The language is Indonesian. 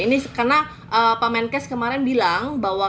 ini karena pak menkes kemarin bilang bahwa